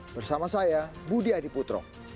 bersama saya budi adiputro